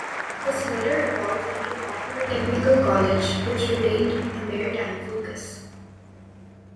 This later evolved into Poplar Technical College, which retained a maritime focus.